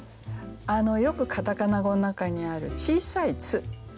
よくカタカナ語の中にある小さい「ッ」ですね。